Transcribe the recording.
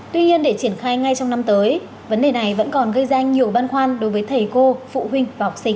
tuy nhiên để triển khai ngay trong năm tới vấn đề này vẫn còn gây ra nhiều băn khoăn đối với thầy cô phụ huynh và học sinh